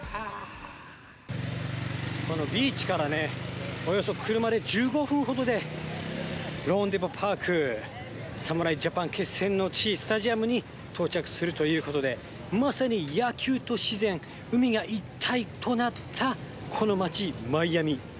このビーチからね、およそ車で１５分ほどでローンデポ・パーク、侍ジャパン決戦の地、スタジアムに到着するということで、まさに野球と自然、海が一体となったこの街、マイアミ。